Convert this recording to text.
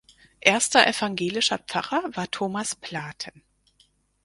Erster evangelischer Pfarrer war Thomas Platen.